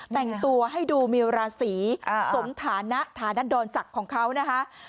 แต่งตัวให้ดูมีราศีสมฐานะฐานันดรศักดิ์ของเขานะคะ